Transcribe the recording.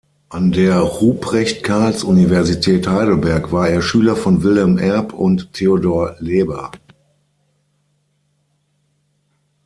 An der Ruprecht-Karls-Universität Heidelberg war er Schüler von Wilhelm Erb und Theodor Leber.